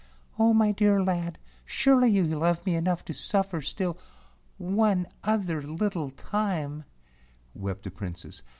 "Oh, my dear lad, surely you love me enough to suffer still one other little time," wept the Princess.